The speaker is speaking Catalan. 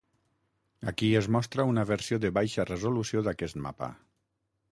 Aquí es mostra una versió de baixa resolució d'aquest mapa.